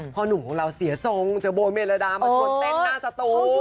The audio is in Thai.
หนุ่มของเราเสียทรงจะโบเมรดามาชวนเต้นหน้าสตู